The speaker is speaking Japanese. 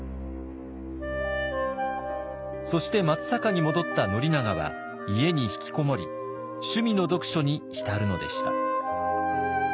そして松坂に戻った宣長は家に引きこもり趣味の読書に浸るのでした。